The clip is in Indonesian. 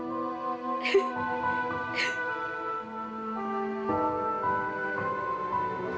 gak ada sita nungguin di rumah